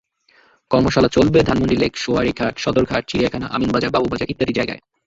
কর্মশালা চলবে ধানমন্ডি লেক, সোয়ারীঘাট, সদরঘাট, চিড়িয়াখানা, আমিনবাজার, বাবুবাজার ইত্যাদি জায়গায়।